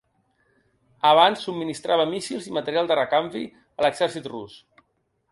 Abans, subministrava míssils i material de recanvi a l’exèrcit rus.